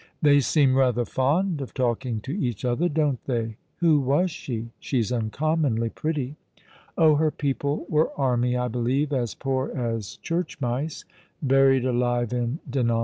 I " They seem rather fond of talking to each other, don't they ? Who was she ? She's uncommonly pretty." " Oh, her people were army, I believe — as poor as church mice — buried alive in Dinan."